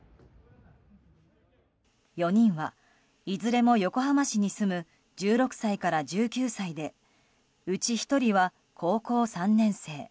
４人は、いずれも横浜市に住む１６歳から１９歳でうち１人は高校３年生。